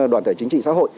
đoàn thể chính trị xã hội